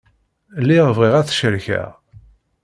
Lliɣ bɣiɣ ad t-cerkeɣ.